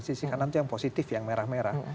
sisi kanan itu yang positif yang merah merah